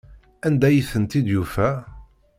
Anda ay tent-id-yufa?